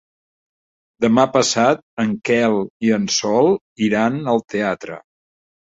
Demà passat en Quel i en Sol iran al teatre.